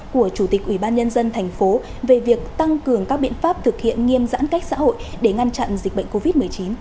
của chủ tịch ubnd tp về việc tăng cường các biện pháp thực hiện nghiêm giãn cách xã hội để ngăn chặn dịch bệnh covid một mươi chín